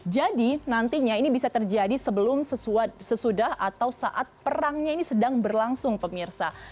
jadi nantinya ini bisa terjadi sebelum sesudah atau saat perangnya ini sedang berlangsung pemirsa